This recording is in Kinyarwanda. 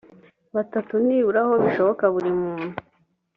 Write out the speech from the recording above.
batatu nibura aho bishoboka buri muntu